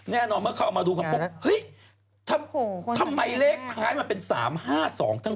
มันมาดูแล้วเห้ยทำไมเลขท้ายทำเป็น๓๕๒ทั้งคู่